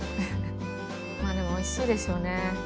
まあでもおいしいでしょうね。